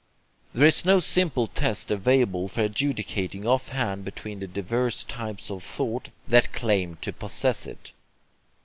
There is no simple test available for adjudicating offhand between the divers types of thought that claim to possess it.